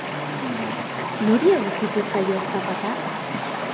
Nori egokituko zaio zapata?